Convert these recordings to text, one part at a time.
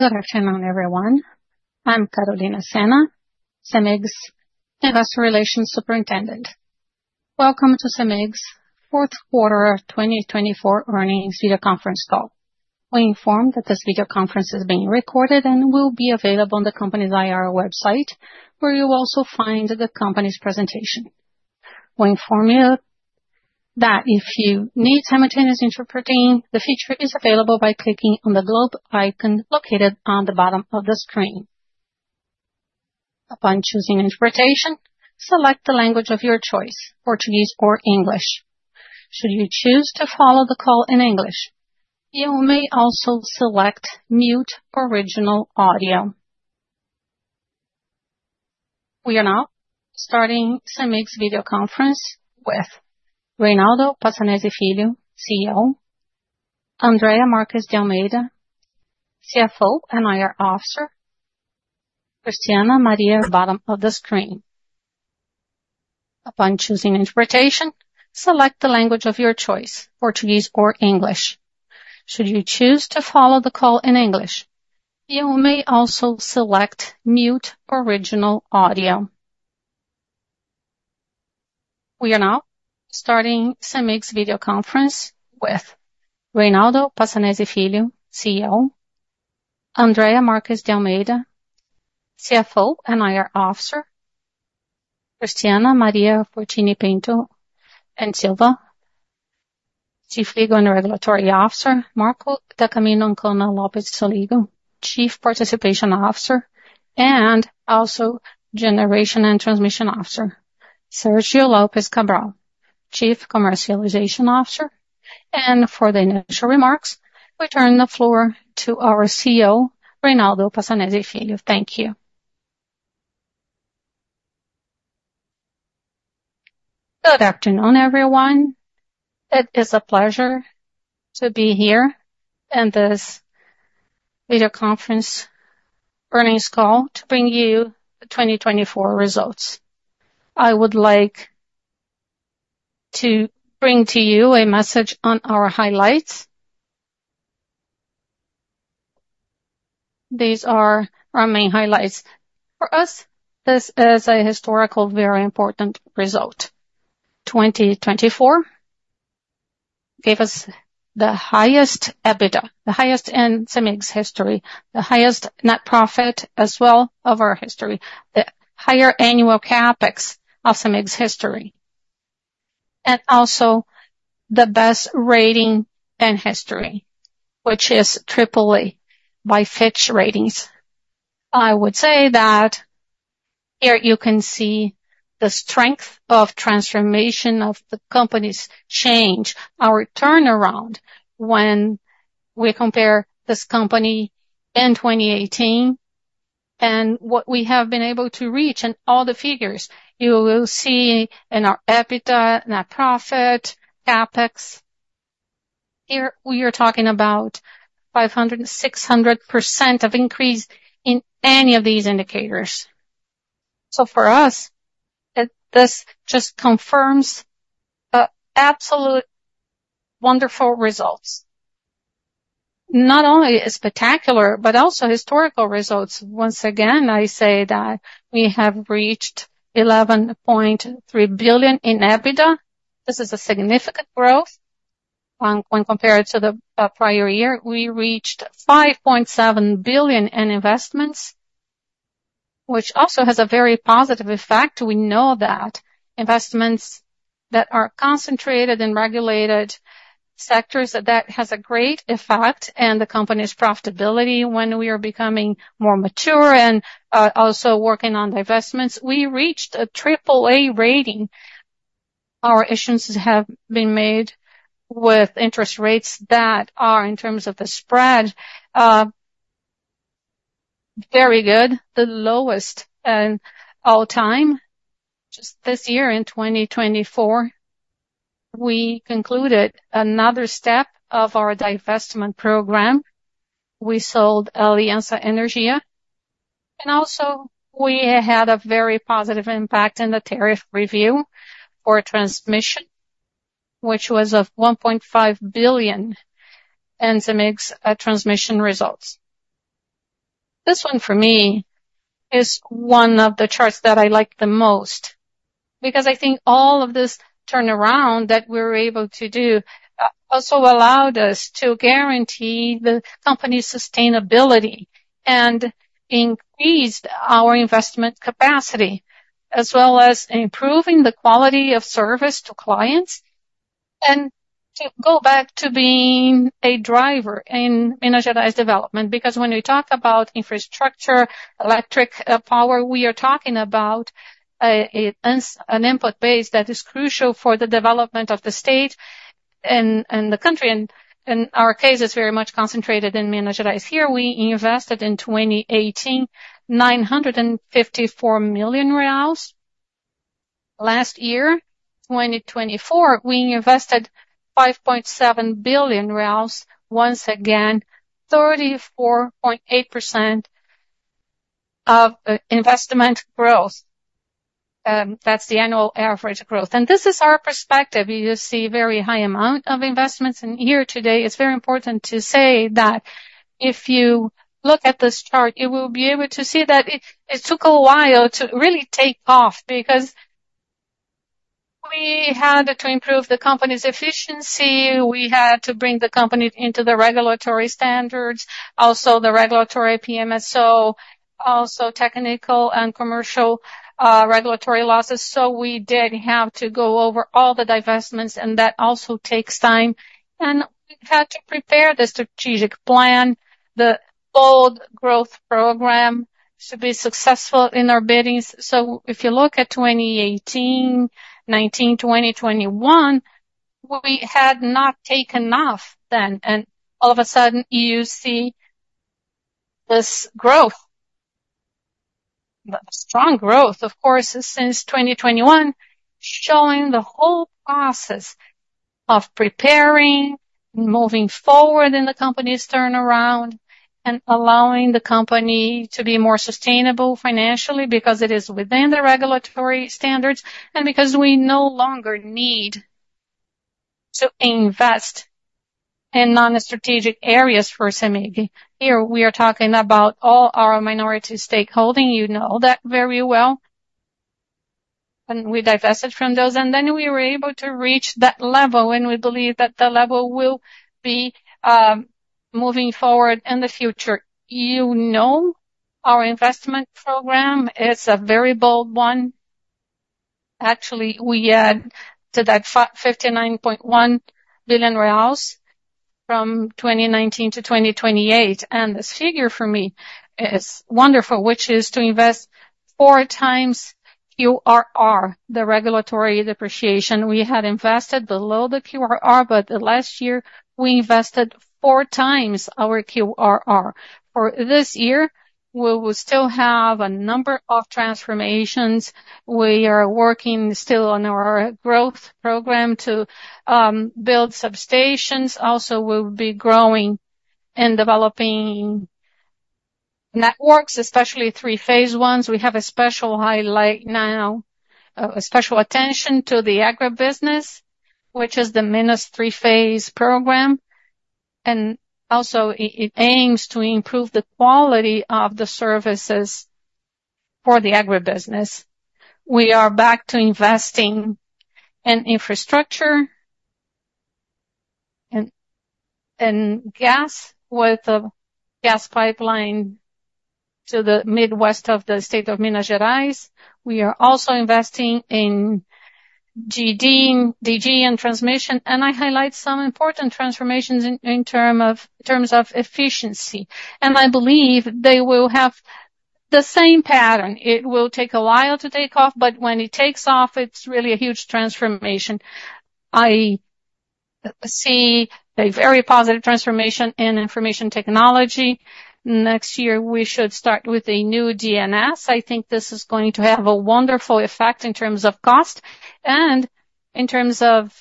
Good afternoon, everyone. I'm Carolina Senna, CEMIG's Investor Relations Superintendent. Welcome to CEMIG's fourth quarter 2024 earnings video conference call. We inform that this video conference is being recorded and will be available on the company's IR website, where you will also find the company's presentation. We inform you that if you need simultaneous interpreting, the feature is available by clicking on the globe icon located on the bottom of the screen. Upon choosing interpretation, select the language of your choice: Portuguese or English. Should you choose to follow the call in English, you may also select Mute Original Audio. We are now starting CEMIG's video conference with Reynaldo Passanezi Filho, CEO; Andrea Marques de Almeida, CFO and IR Officer; Cristiana Maria. Bottom of the screen. Upon choosing interpretation, select the language of your choice: Portuguese or English. Should you choose to follow the call in English, you may also select Mute Original Audio. We are now starting CEMIG's video conference with Reynaldo Passanezi Filho, CEO; Andrea Marques de Almeida, CFO and IR Officer; Cristiana Maria Fortini Pinto e Silva, Chief Legal and Regulatory Officer; Marco da Camino Ancona Lopez Soligo, Chief Participation Officer and also Generation and Transmission Officer; Sergio Lopes Cabral, Chief Commercialization Officer. For the initial remarks, we turn the floor to our CEO, Reynaldo Passanezi Filho. Thank you. Good afternoon, everyone. It is a pleasure to be here in this video conference earnings call to bring you the 2024 results. I would like to bring to you a message on our highlights. These are our main highlights. For us, this is a historically very important result. 2024 gave us the highest EBITDA, the highest in CEMIG's history, the highest net profit as well of our history, the higher annual CapEx of CEMIG's history, and also the best rating in history, which is AAA by Fitch Ratings. I would say that here you can see the strength of transformation of the company's change, our turnaround when we compare this company in 2018 and what we have been able to reach and all the figures. You will see in our EBITDA, net profit, CapEx. Here we are talking about 500% and 600% of increase in any of these indicators. For us, this just confirms absolute wonderful results. Not only is it spectacular, but also historical results. Once again, I say that we have reached 11.3 billion in EBITDA. This is a significant growth. When compared to the prior year, we reached 5.7 billion in investments, which also has a very positive effect. We know that investments that are concentrated in regulated sectors, that has a great effect on the company's profitability when we are becoming more mature and also working on the investments. We reached a AAA rating. Our issues have been made with interest rates that are, in terms of the spread, very good, the lowest in all time. Just this year in 2024, we concluded another step of our divestment program. We sold Aliança Energia. We had a very positive impact in the tariff review for transmission, which was of 1.5 billion in CEMIG's transmission results. This one, for me, is one of the charts that I like the most because I think all of this turnaround that we were able to do also allowed us to guarantee the company's sustainability and increased our investment capacity, as well as improving the quality of service to clients and to go back to being a driver in energized development. Because when we talk about infrastructure, electric power, we are talking about an input base that is crucial for the development of the state and the country. In our case, it's very much concentrated in Minas Gerais. Here, we invested in 2018, 954 million reais. Last year, 2024, we invested BRL 5.7 billion. Once again, 34.8% of investment growth. That's the annual average growth. This is our perspective. You see a very high amount of investments. Here today, it's very important to say that if you look at this chart, you will be able to see that it took a while to really take off because we had to improve the company's efficiency. We had to bring the company into the regulatory standards, also the regulatory PMSO, also technical and commercial regulatory losses. We did have to go over all the divestments, and that also takes time. We had to prepare the strategic plan, the old growth program, to be successful in our biddings. If you look at 2018, 2019, 2020, 2021, we had not taken off then. All of a sudden, you see this growth, the strong growth, of course, since 2021, showing the whole process of preparing and moving forward in the company's turnaround and allowing the company to be more sustainable financially because it is within the regulatory standards and because we no longer need to invest in non-strategic areas for CEMIG. Here, we are talking about all our minority stakeholding. You know that very well. We divested from those. We were able to reach that level, and we believe that the level will be moving forward in the future. You know our investment program is a very bold one. Actually, we add to that 59.1 billion reais from 2019 to 2028. This figure for me is wonderful, which is to invest four times QRR, the regulatory depreciation. We had invested below the QRR, but last year, we invested four times our QRR. For this year, we will still have a number of transformations. We are working still on our growth program to build substations. Also, we will be growing and developing networks, especially three-phase ones. We have a special highlight now, a special attention to the agribusiness, which is the Minas three-phase program. It also aims to improve the quality of the services for the agribusiness. We are back to investing in infrastructure and gas with a gas pipeline to the midwest of the state of Minas Gerais. We are also investing in DG and transmission. I highlight some important transformations in terms of efficiency. I believe they will have the same pattern. It will take a while to take off, but when it takes off, it is really a huge transformation. I see a very positive transformation in information technology. Next year, we should start with a new ADMS. I think this is going to have a wonderful effect in terms of cost and in terms of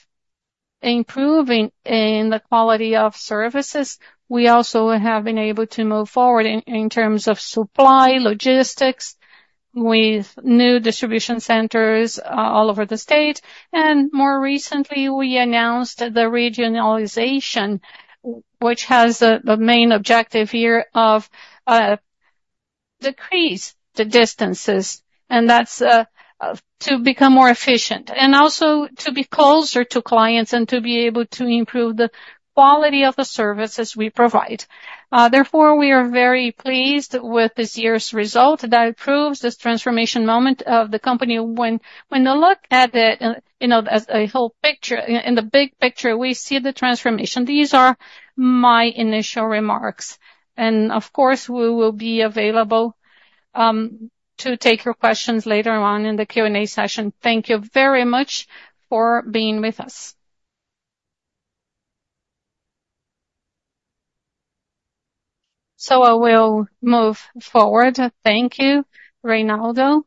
improving in the quality of services. We also have been able to move forward in terms of supply logistics with new distribution centers all over the state. More recently, we announced the regionalization, which has the main objective here of decreasing the distances. That is to become more efficient and also to be closer to clients and to be able to improve the quality of the services we provide. Therefore, we are very pleased with this year's result that proves this transformation moment of the company. When you look at it as a whole picture, in the big picture, we see the transformation. These are my initial remarks. Of course, we will be available to take your questions later on in the Q&A session. Thank you very much for being with us. I will move forward. Thank you, Reynaldo.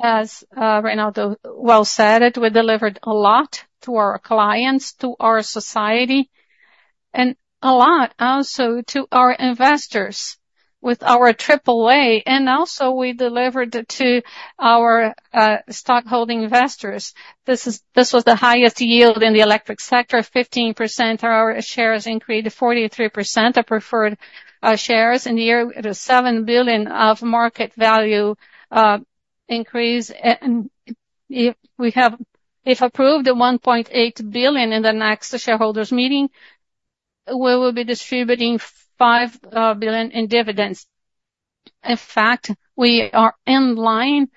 As Reynaldo well said, we delivered a lot to our clients, to our society, and a lot also to our investors with our AAA. Also, we delivered to our stockholding investors. This was the highest yield in the electric sector, 15%. Our shares increased to 43% of preferred shares in the year, 7 billion of market value increase. If we have approved the 1.8 billion in the next shareholders' meeting, we will be distributing 5 billion in dividends. In fact, we are in line.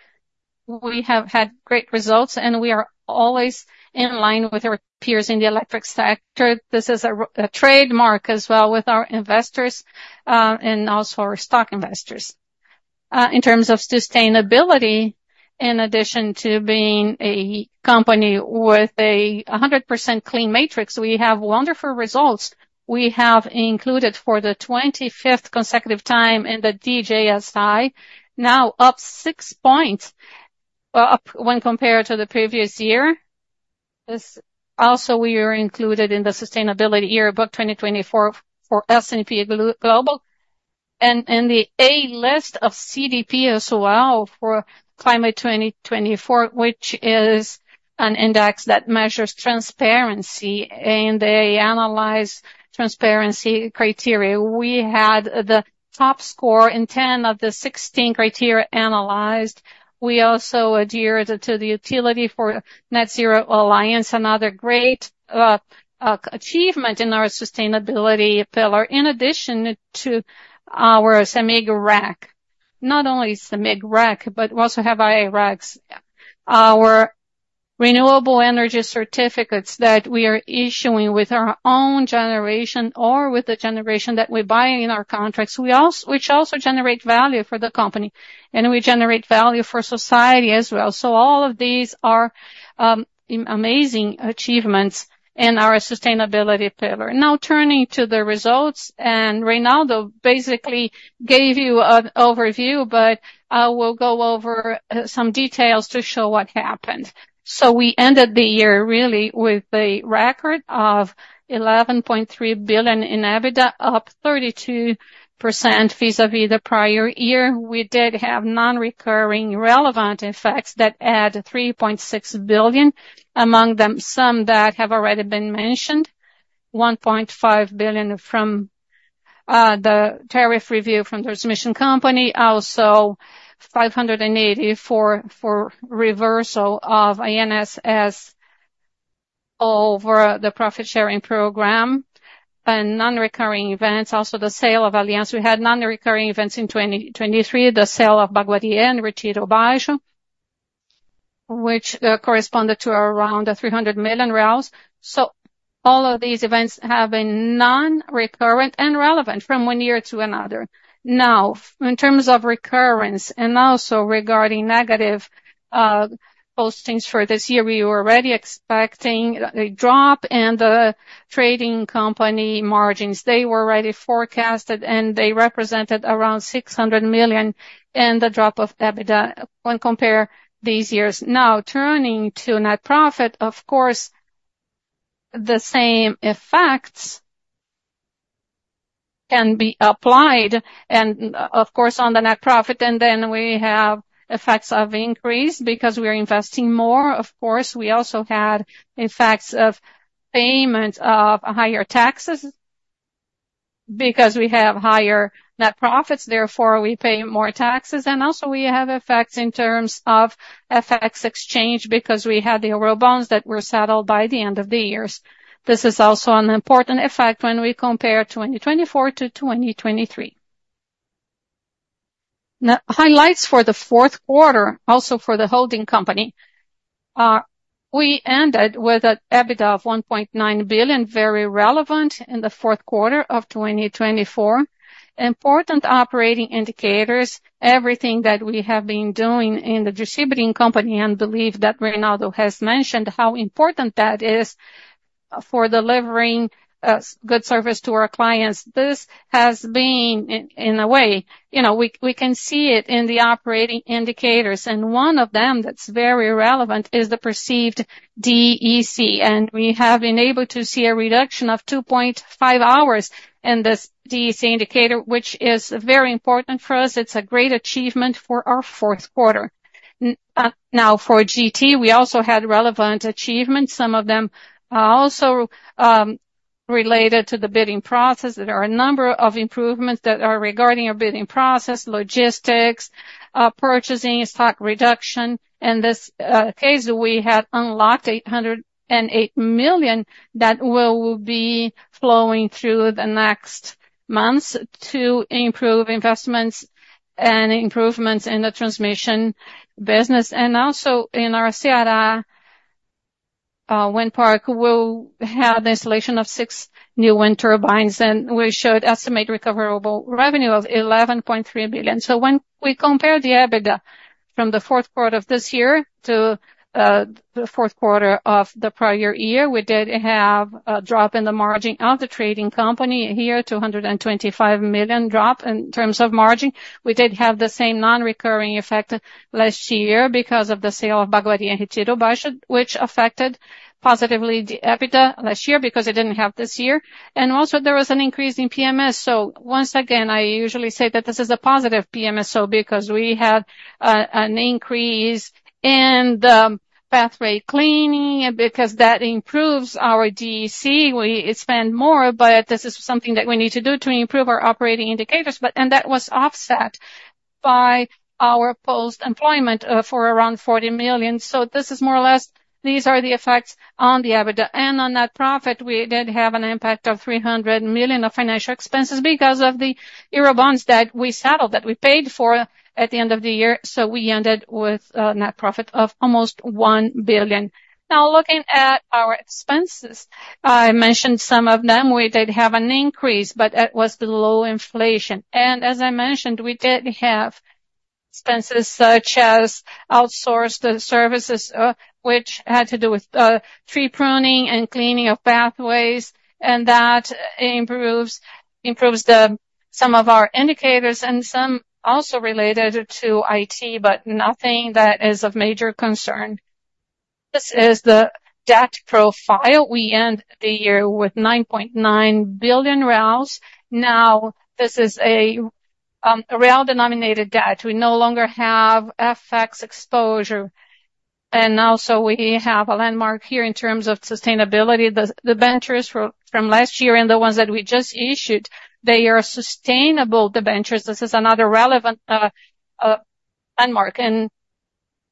We have had great results, and we are always in line with our peers in the electric sector. This is a trademark as well with our investors and also our stock investors. In terms of sustainability, in addition to being a company with a 100% clean matrix, we have wonderful results. We have included for the 25th consecutive time in the DJSI, now up six points when compared to the previous year. We are also included in the Sustainability Yearbook 2024 for S&P Global. In the A-list of CDP as well for Climate 2024, which is an index that measures transparency and they analyze transparency criteria. We had the top score in 10 of the 16 criteria analyzed. We also adhered to the Utilities for Net Zero Alliance, another great achievement in our sustainability pillar, in addition to our CEMIG REC. Not only CEMIG REC, but we also have I-RECs, our renewable energy certificates that we are issuing with our own generation or with the generation that we buy in our contracts, which also generate value for the company. We generate value for society as well. All of these are amazing achievements in our sustainability pillar. Now, turning to the results, and Reynaldo basically gave you an overview, but I will go over some details to show what happened. We ended the year really with a record of 11.3 billion in EBITDA, up 32% vis-à-vis the prior year. We did have non-recurring relevant effects that add 3.6 billion, among them some that have already been mentioned, 1.5 billion from the tariff review from the transmission company, also 580 million for reversal of INSS over the profit-sharing program, and non-recurring events. Also, the sale of Aliança. We had non-recurring events in 2023, the sale of Baguari and Retiro Baixo, which corresponded to around 300 million. All of these events have been non-recurrent and relevant from one year to another. In terms of recurrence and also regarding negative postings for this year, we were already expecting a drop in the trading company margins. They were already forecasted, and they represented around 600 million in the drop of EBITDA when compared to these years. Turning to net profit, of course, the same effects can be applied. Of course, on the net profit, we have effects of increase because we are investing more. We also had effects of payment of higher taxes because we have higher net profits. Therefore, we pay more taxes. We have effects in terms of FX exchange because we had the overall bonds that were settled by the end of the years. This is also an important effect when we compare 2024 to 2023. Highlights for the fourth quarter, also for the holding company. We ended with an EBITDA of 1.9 billion, very relevant in the fourth quarter of 2024. Important operating indicators, everything that we have been doing in the distribution company, and believe that Reynaldo has mentioned how important that is for delivering good service to our clients. This has been, in a way, we can see it in the operating indicators. One of them that's very relevant is the perceived DEC. We have been able to see a reduction of 2.5 hours in this DEC indicator, which is very important for us. It's a great achievement for our fourth quarter. Now, for GT, we also had relevant achievements. Some of them are also related to the bidding process. There are a number of improvements that are regarding our bidding process, logistics, purchasing, stock reduction. In this case, we had unlocked 808 million that will be flowing through the next months to improve investments and improvements in the transmission business. Also, in our Serra Wind Park, we will have the installation of six new wind turbines, and we should estimate recoverable revenue of 11.3 billion. When we compare the EBITDA from the fourth quarter of this year to the fourth quarter of the prior year, we did have a drop in the margin of the trading company here, 225 million drop in terms of margin. We did have the same non-recurring effect last year because of the sale of Baguari and Retiro Baixo, which affected positively the EBITDA last year because it did not have this year. There was an increase in PMSO. I usually say that this is a positive PMSO because we had an increase in the pathway cleaning because that improves our DEC. We spend more, but this is something that we need to do to improve our operating indicators. That was offset by our post-employment for around 40 million. This is more or less, these are the effects on the EBITDA. On net profit, we did have an impact of 300 million of financial expenses because of the Eurobonds that we settled, that we paid for at the end of the year. We ended with a net profit of almost 1 billion. Now, looking at our expenses, I mentioned some of them. We did have an increase, but it was below inflation. As I mentioned, we did have expenses such as outsourced services, which had to do with tree pruning and cleaning of pathways. That improves some of our indicators and some also related to IT, but nothing that is of major concern. This is the debt profile. We end the year with 9.9 billion. This is a real denominated debt. We no longer have FX exposure. We have a landmark here in terms of sustainability. The debentures from last year and the ones that we just issued, they are sustainable debentures. This is another relevant landmark.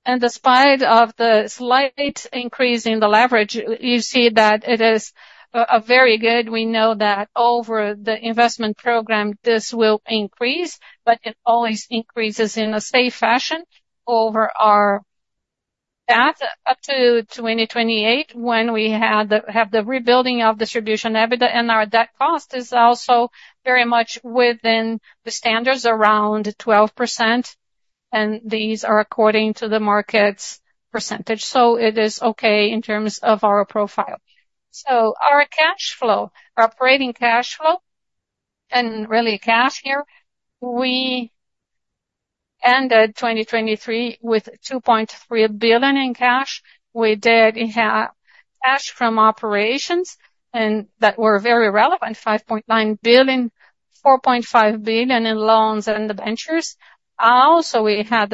Despite the slight increase in the leverage, you see that it is very good. We know that over the investment program, this will increase, but it always increases in a safe fashion over our path up to 2028 when we have the rebuilding of distribution EBITDA. Our debt cost is also very much within the standards, around 12%. These are according to the market's percentage. It is okay in terms of our profile. Our cash flow, our operating cash flow, and really cash here, we ended 2023 with 2.3 billion in cash. We did have cash from operations that were very relevant, 5.9 billion, 4.5 billion in loans and debentures. We had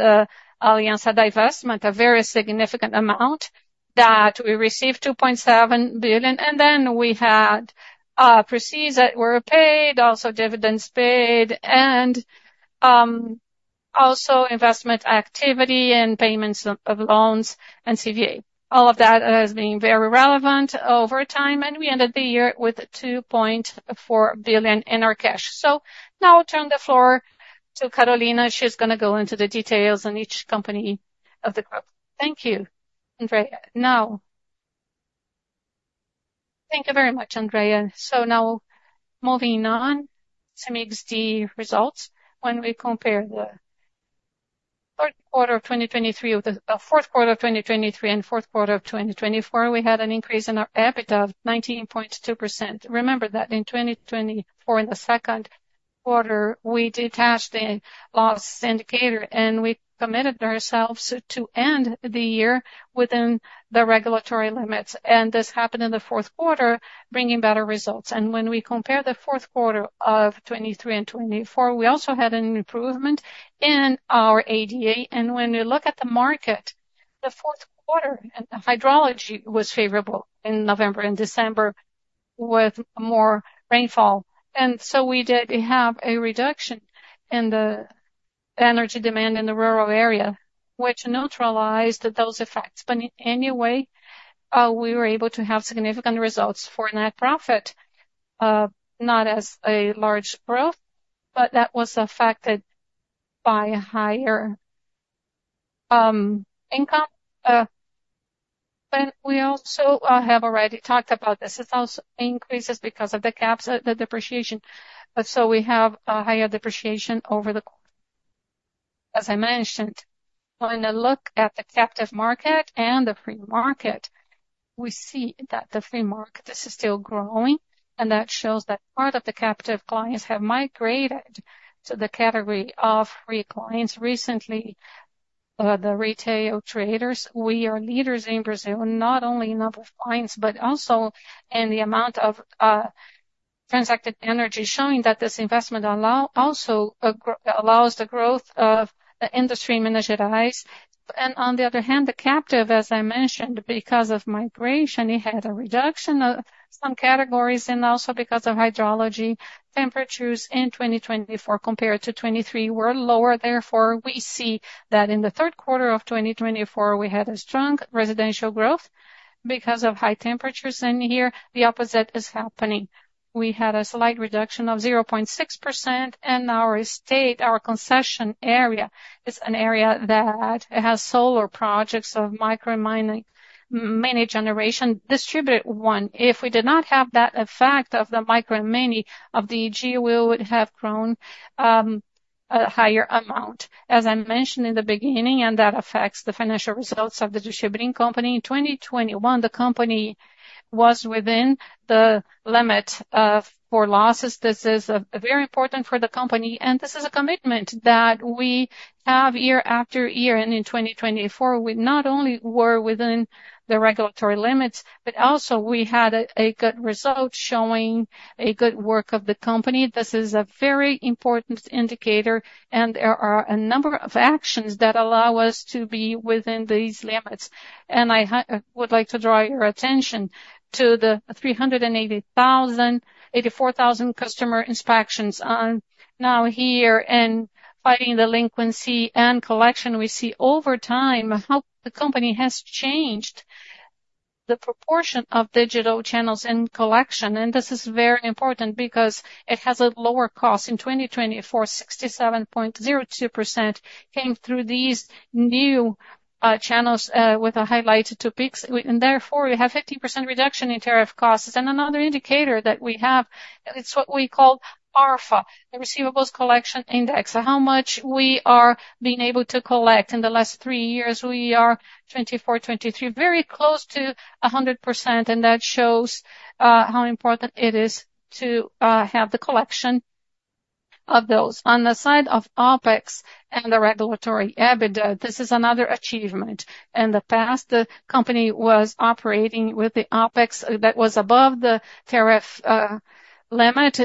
Aliança divestment, a very significant amount that we received, 2.7 billion. We had proceeds that were paid, also dividends paid, and also investment activity and payments of loans and CVA. All of that has been very relevant over time. We ended the year with 2.4 billion in our cash. I will turn the floor to Carolina. She is going to go into the details on each company of the group. Thank you, Andrea. Thank you very much, Andrea. Now, moving on to CEMIG's D results. When we compare the third quarter of 2023 with the fourth quarter of 2023 and fourth quarter of 2024, we had an increase in our EBITDA of 19.2%. Remember that in 2024, in the second quarter, we detached the loss indicator, and we committed ourselves to end the year within the regulatory limits. This happened in the fourth quarter, bringing better results. When we compare the fourth quarter of 2023 and 2024, we also had an improvement in our ADA. When you look at the market, the fourth quarter and the hydrology was favorable in November and December with more rainfall. We did have a reduction in the energy demand in the rural area, which neutralized those effects. In any way, we were able to have significant results for net profit, not as a large growth, but that was affected by higher income. We also have already talked about this. It's also increases because of the caps of the depreciation. We have a higher depreciation over the quarter. As I mentioned, when I look at the captive market and the free market, we see that the free market is still growing. That shows that part of the captive clients have migrated to the category of free clients recently, the retail traders. We are leaders in Brazil, not only in number of clients, but also in the amount of transacted energy, showing that this investment also allows the growth of the industry in Minas Gerais. On the other hand, the captive, as I mentioned, because of migration, it had a reduction of some categories and also because of hydrology. Temperatures in 2024 compared to 2023 were lower. Therefore, we see that in the third quarter of 2024, we had a strong residential growth because of high temperatures in here. The opposite is happening. We had a slight reduction of 0.6%. Our state, our concession area, is an area that has solar projects of micro and mini, mini generation, distributed one. If we did not have that effect of the micro and many of the GD, we would have grown a higher amount, as I mentioned in the beginning, and that affects the financial results of the distributing company. In 2021, the company was within the limit for losses. This is very important for the company. This is a commitment that we have year after year. In 2024, we not only were within the regulatory limits, but also we had a good result showing a good work of the company. This is a very important indicator. There are a number of actions that allow us to be within these limits. I would like to draw your attention to the 384,000 customer inspections now here and fighting delinquency and collection. We see over time how the company has changed the proportion of digital channels in collection. This is very important because it has a lower cost. In 2024, 67.02% came through these new channels with a highlighted two peaks. Therefore, we have 50% reduction in tariff costs. Another indicator that we have, it is what we call ARFA, the Receivables Collection Index, how much we are being able to collect in the last three years. We are 2024, 2023, very close to 100%. That shows how important it is to have the collection of those. On the side of OpEx and the regulatory EBITDA, this is another achievement. In the past, the company was operating with the OpEx that was above the tariff limit.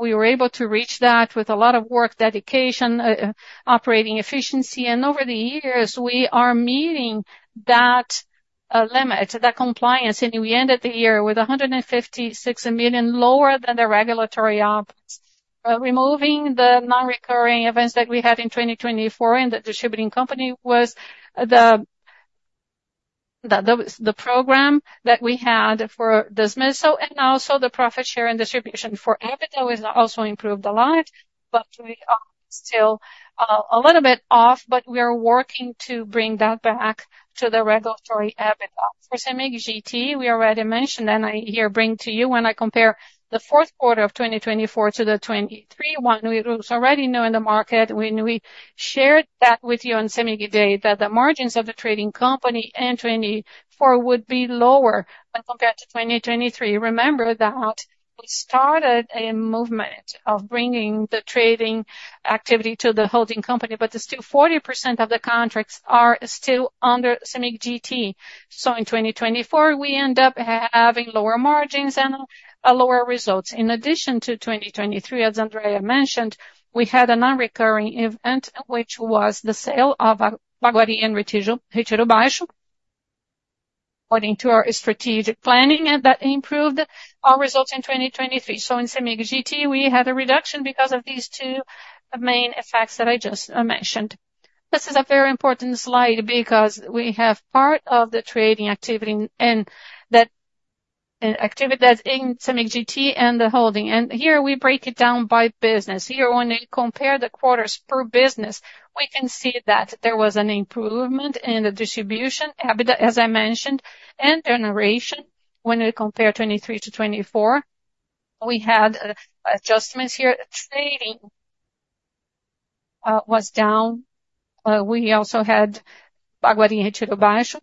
We were able to reach that with a lot of work, dedication, operating efficiency. Over the years, we are meeting that limit, that compliance. We ended the year with 156 million lower than the regulatory OpEx. Removing the non-recurring events that we had in 2024 and the distributing company was the program that we had for this miss. Also, the profit share and distribution for EBITDA has also improved a lot. We are still a little bit off, but we are working to bring that back to the regulatory EBITDA. For CEMIG GT, we already mentioned, and I here bring to you when I compare the fourth quarter of 2024 to the 2023 one, we already knew in the market. When we shared that with you on CEMIG data, the margins of the trading company in 2024 would be lower when compared to 2023. Remember that we started a movement of bringing the trading activity to the holding company, but still 40% of the contracts are still under CEMIG GT. In 2024, we end up having lower margins and lower results. In addition to 2023, as Andrea mentioned, we had a non-recurring event, which was the sale of Baguari and Retiro Baixo, according to our strategic planning, and that improved our results in 2023. In CEMIG GT, we had a reduction because of these two main effects that I just mentioned. This is a very important slide because we have part of the trading activity and that activity that is in CEMIG GT and the holding. Here we break it down by business. Here, when we compare the quarters per business, we can see that there was an improvement in the distribution EBITDA, as I mentioned, and generation. When we compare 2023 to 2024, we had adjustments here. Trading was down. We also had Baguari and Retiro Baixo.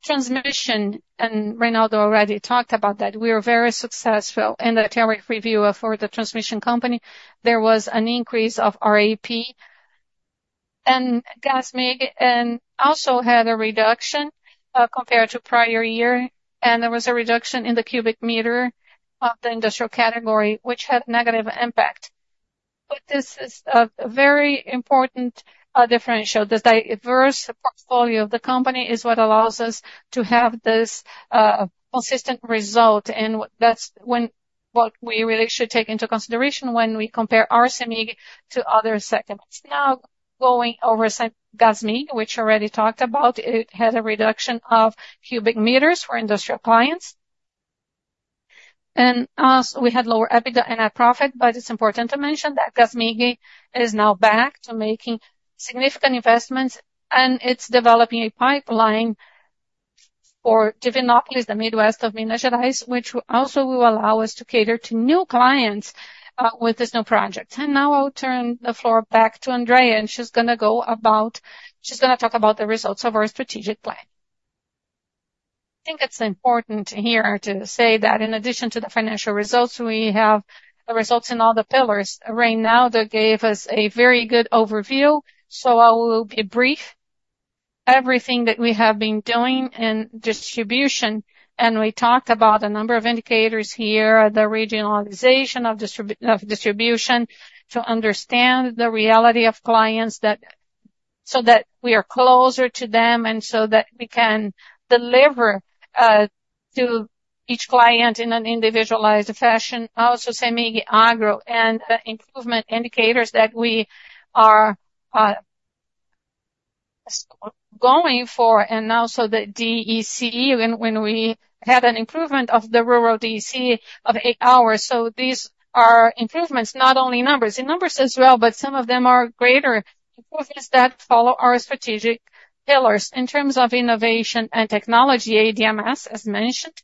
Transmission, and Reynaldo already talked about that. We were very successful in the tariff review for the transmission company. There was an increase of RAP and Gasmig and also had a reduction compared to prior year. There was a reduction in the cubic meter of the industrial category, which had negative impact. This is a very important differential. The diverse portfolio of the company is what allows us to have this consistent result. That is what we really should take into consideration when we compare our CEMIG to other segments. Now, going over Gasmig, which I already talked about, it had a reduction of cubic meters for industrial clients. We had lower EBITDA and net profit, but it is important to mention that Gasmig is now back to making significant investments, and it is developing a pipeline for Divinópolis, the Midwest of Minas Gerais, which also will allow us to cater to new clients with this new project. Now I'll turn the floor back to Andrea, and she's going to talk about the results of our strategic plan. I think it's important here to say that in addition to the financial results, we have the results in all the pillars. Right now, that gave us a very good overview. I will be brief. Everything that we have been doing in distribution, and we talked about a number of indicators here, the regionalization of distribution to understand the reality of clients so that we are closer to them and so that we can deliver to each client in an individualized fashion. Also, CEMIG Agro and the improvement indicators that we are going for. Now, the DEC, when we had an improvement of the rural DEC of eight hours. These are improvements, not only numbers. The numbers as well, but some of them are greater improvements that follow our strategic pillars in terms of innovation and technology, ADMS, as mentioned.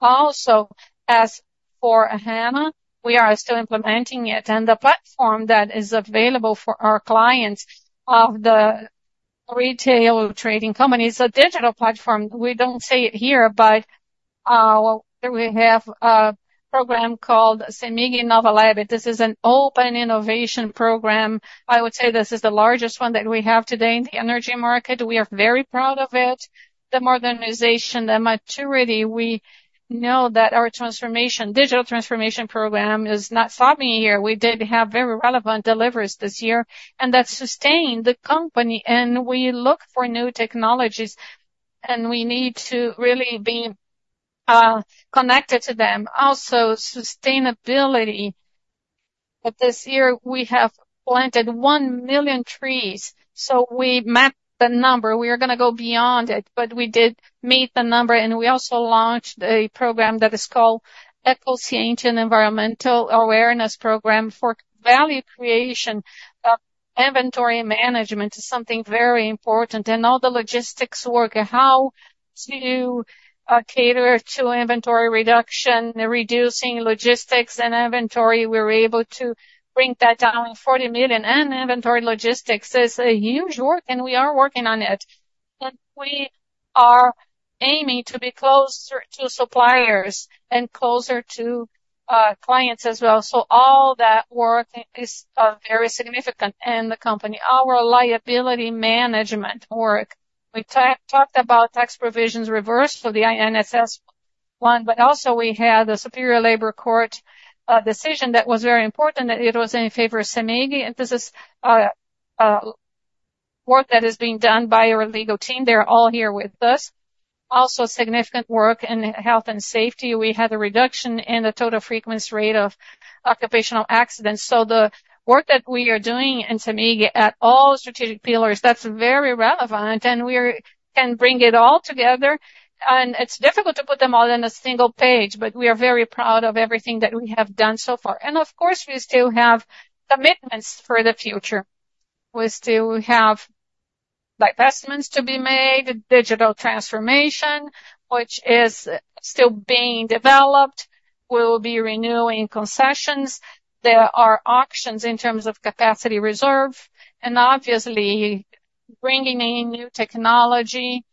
Also, S/4HANA, we are still implementing it. And the platform that is available for our clients of the retail trading company is a digital platform. We do not say it here, but we have a program called CEMIG Inova Lab. This is an open innovation program. I would say this is the largest one that we have today in the energy market. We are very proud of it. The modernization, the maturity, we know that our transformation, digital transformation program is not stopping here. We did have very relevant deliveries this year, and that sustained the company. We look for new technologies, and we need to really be connected to them. Also, sustainability. This year, we have planted 1 million trees. We met the number. We are going to go beyond it, but we did meet the number. We also launched a program that is called Econsciência Environmental Awareness Program for value creation. Inventory management is something very important. All the logistics work, how to cater to inventory reduction, reducing logistics and inventory. We were able to bring that down in 40 million. Inventory logistics is a huge work, and we are working on it. We are aiming to be closer to suppliers and closer to clients as well. All that work is very significant in the company. Our liability management work. We talked about tax provisions reversed for the INSS one, but also we had the Superior Labor Court decision that was very important that it was in favor of CEMIG. This is work that is being done by our legal team. They are all here with us. Also, significant work in health and safety. We had a reduction in the total frequency rate of occupational accidents. The work that we are doing in CEMIG at all strategic pillars is very relevant. We can bring it all together. It is difficult to put them all in a single page, but we are very proud of everything that we have done so far. Of course, we still have commitments for the future. We still have divestments to be made, digital transformation, which is still being developed. We will be renewing concessions. There are auctions in terms of capacity reserve. Obviously, bringing in new technology.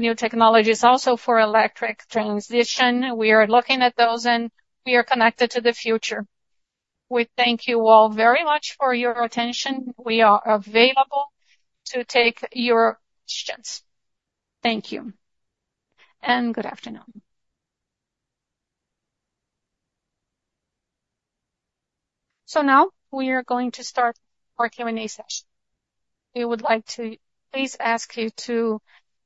New technologies also for electric transition. We are looking at those, and we are connected to the future. We thank you all very much for your attention. We are available to take your questions. Thank you. Good afternoon. Now we are going to start our Q&A session. We would like to please ask you to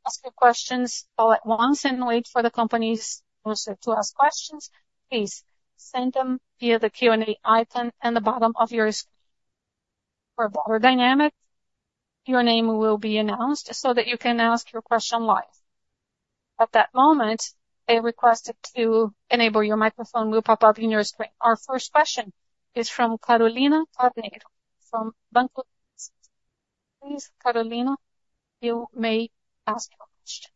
ask your questions all at once and wait for the companies to ask questions. Please send them via the Q&A icon on the bottom of your screen. For a bolder dynamic, your name will be announced so that you can ask your question live. At that moment, a request to enable your microphone will pop up in your screen. Our first question is from Carolina Carneiro from Banco Safra. Please, Carolina, you may ask your question.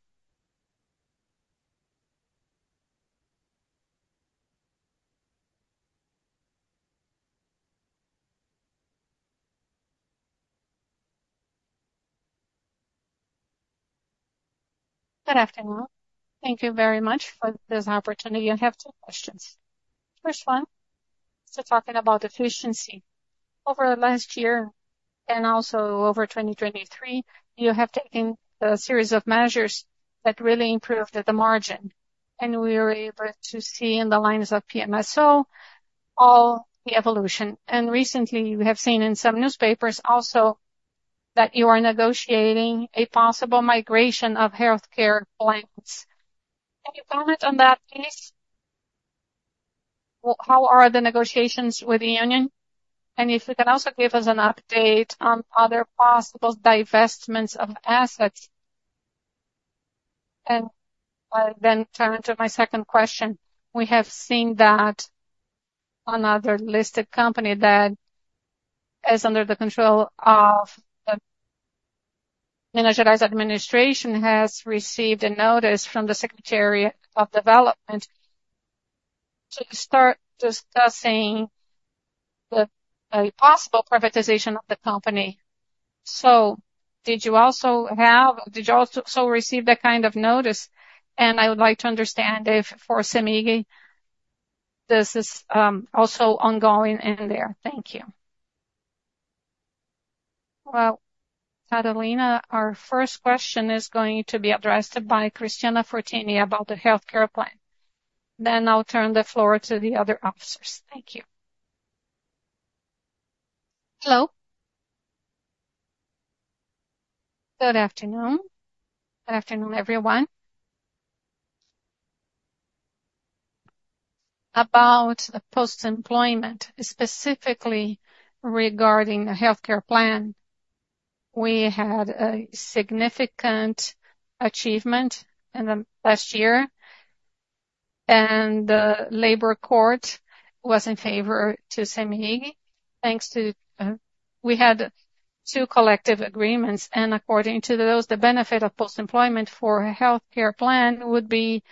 Good afternoon. Thank you very much for this opportunity. I have two questions. First one, talking about efficiency. Over the last year and also over 2023, you have taken a series of measures that really improved the margin. We were able to see in the lines of PMSO all the evolution. Recently, you have seen in some newspapers also that you are negotiating a possible migration of healthcare plans. Can you comment on that, please? How are the negotiations with the union? If you can also give us an update on other possible divestments of assets. I turn to my second question. We have seen that another listed company that is under the control of the Minas Gerais administration has received a notice from the Secretary of Development to start discussing the possible privatization of the company. Did you also receive that kind of notice? I would like to understand if for CEMIG, this is also ongoing in there. Thank you. Carolina, our first question is going to be addressed by Cristiana Fortini about the healthcare plan. I will turn the floor to the other officers. Thank you. Hello. Good afternoon. Good afternoon, everyone. About post-employment, specifically regarding the healthcare plan, we had a significant achievement in the last year. The labor court was in favor to CEMIG. Thanks to we had two collective agreements. According to those, the benefit of post-employment for a healthcare plan would be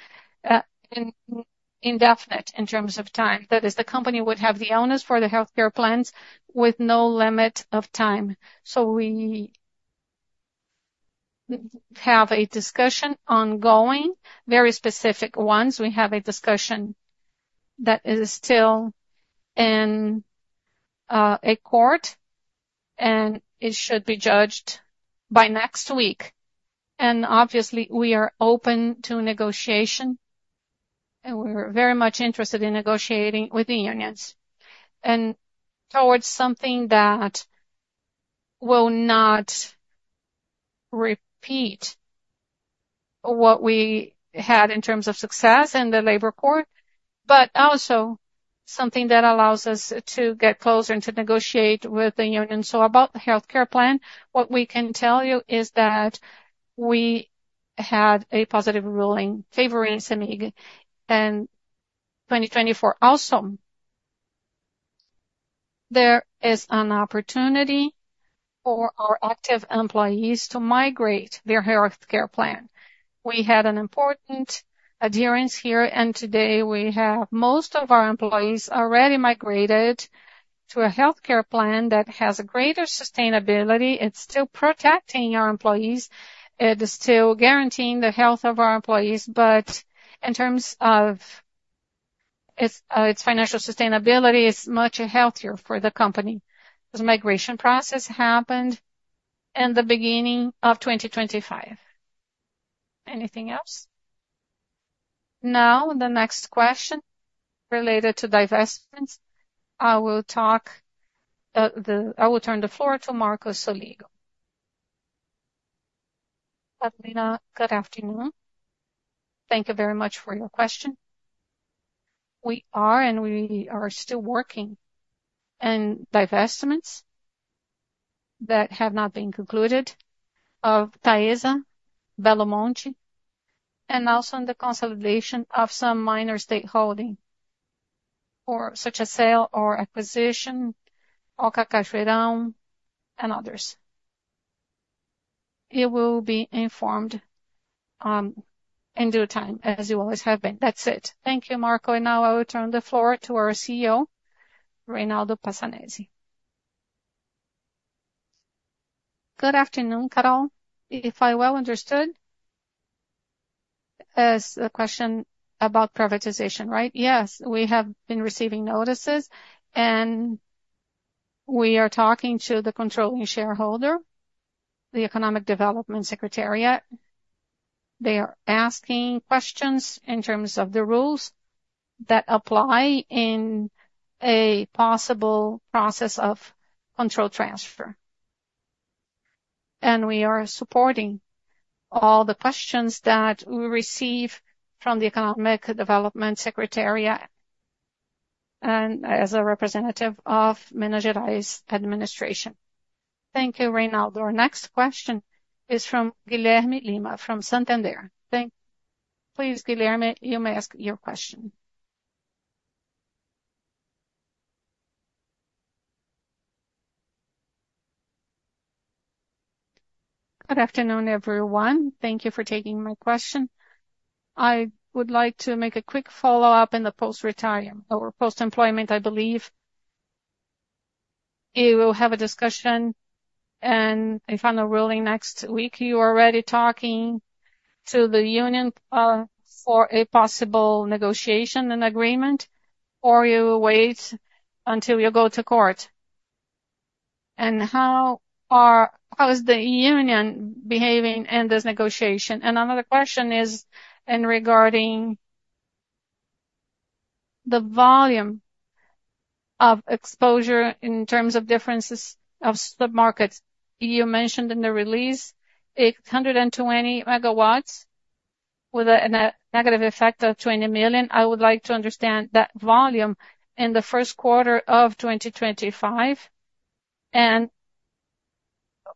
indefinite in terms of time. That is, the company would have the owners for the healthcare plans with no limit of time. We have a discussion ongoing, very specific ones. We have a discussion that is still in a court, and it should be judged by next week. Obviously, we are open to negotiation. We are very much interested in negotiating with the unions and towards something that will not repeat what we had in terms of success in the labor court, but also something that allows us to get closer and to negotiate with the unions. About the healthcare plan, what we can tell you is that we had a positive ruling favoring CEMIG. In 2024 also, there is an opportunity for our active employees to migrate their healthcare plan. We had an important adherence here, and today we have most of our employees already migrated to a healthcare plan that has greater sustainability. It is still protecting our employees. It is still guaranteeing the health of our employees. In terms of its financial sustainability, it is much healthier for the company. The migration process happened in the beginning of 2025. Anything else? Now, the next question related to divestments. I will talk, I will turn the floor to Marco Soligo. Carolina, good afternoon. Thank you very much for your question. We are, and we are still working on divestments that have not been concluded of TAESA, Belo Monte, and also on the consolidation of some minor stakeholding for such a sale or acquisition, Pipoca, Cachoeirão, and others. It will be informed in due time, as you always have been. That's it. Thank you, Marco. Now I will turn the floor to our CEO, Reynaldo Passanezi Filho. Good afternoon, Carol. If I well understood, as the question about privatization, right? Yes, we have been receiving notices, and we are talking to the controlling shareholder, the Economic Development Secretariat. They are asking questions in terms of the rules that apply in a possible process of control transfer. We are supporting all the questions that we receive from the Economic Development Secretariat and as a representative of Minas Gerais administration. Thank you, Reynaldo. Our next question is from Guilherme Lima from Santander. Thank you. Please, Guilherme, you may ask your question. Good afternoon, everyone. Thank you for taking my question. I would like to make a quick follow-up in the post-retirement or post-employment, I believe. You will have a discussion and a final ruling next week. You are already talking to the union for a possible negotiation and agreement, or you wait until you go to court. How is the union behaving in this negotiation? Another question is regarding the volume of exposure in terms of differences of submarkets. You mentioned in the release 120 MW with a negative effect of 20 million. I would like to understand that volume in the first quarter of 2025.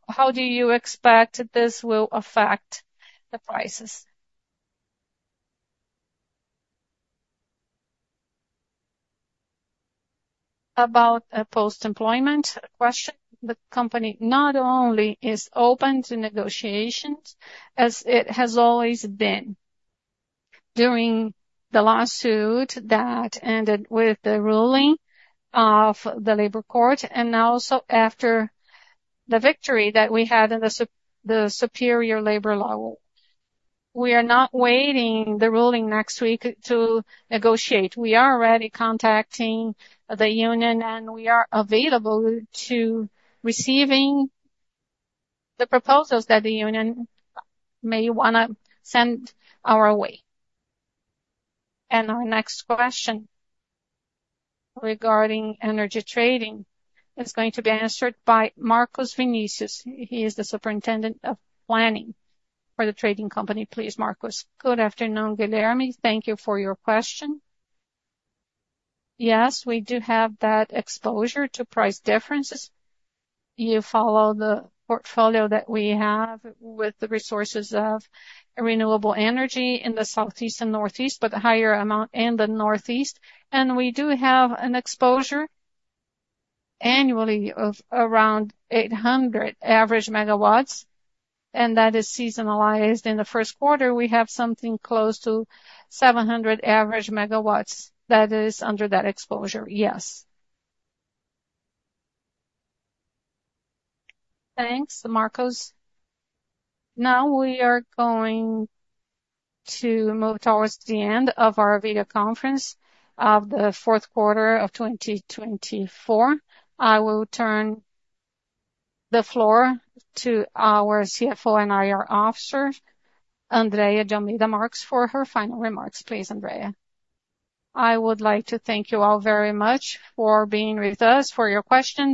How do you expect this will affect the prices? About post-employment question, the company not only is open to negotiations as it has always been during the lawsuit that ended with the ruling of the labor court and also after the victory that we had in the Superior Labor Law. We are not waiting the ruling next week to negotiate. We are already contacting the union, and we are available to receiving the proposals that the union may want to send our way. Our next question regarding energy trading is going to be answered by Marcus Vinicius. He is the Superintendent of Planning for the trading company. Please, Marcos. Good afternoon, Guilherme. Thank you for your question. Yes, we do have that exposure to price differences. You follow the portfolio that we have with the resources of renewable energy in the southeast and northeast, but the higher amount in the northeast. We do have an exposure annually of around 800 average megawatts. That is seasonalized. In the first quarter, we have something close to 700 average megawatts that is under that exposure. Yes. Thanks, Marcos. Now we are going to move towards the end of our video conference of the fourth quarter of 2024. I will turn the floor to our CFO and IR Officer, Andrea Marques de Almeida, for her final remarks. Please, Andrea. I would like to thank you all very much for being with us for your questions.